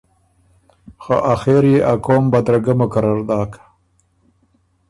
خه آخر يې ا قوم بدرګۀ مقرر داک